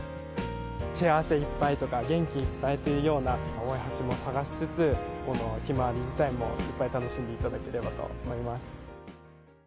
幸せいっぱいとか、元気いっぱいというような、青い蜂も探しつつ、このひまわり自体も、楽しんでいただければと思います。